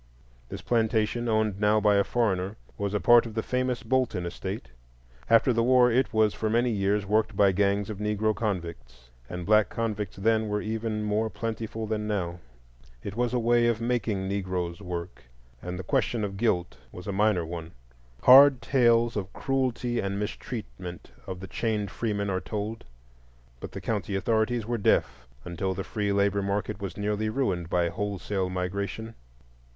This plantation, owned now by a foreigner, was a part of the famous Bolton estate. After the war it was for many years worked by gangs of Negro convicts,—and black convicts then were even more plentiful than now; it was a way of making Negroes work, and the question of guilt was a minor one. Hard tales of cruelty and mistreatment of the chained freemen are told, but the county authorities were deaf until the free labor market was nearly ruined by wholesale migration.